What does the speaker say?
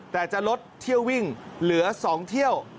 แต่จะลดเที่ยววิ่งเหลือ๒เที่ยว